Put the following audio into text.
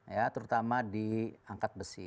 ya terutama di angkat besi